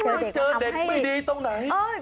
ไปเจอเด็กไม่ดีตรงไหน